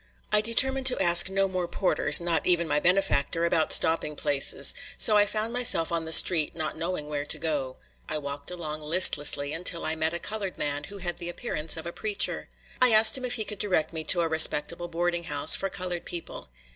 I determined to ask no more porters, not even my benefactor, about stopping places; so I found myself on the street not knowing where to go. I walked along listlessly until I met a colored man who had the appearance of a preacher. I asked him if he could direct me to a respectable boarding house for colored people.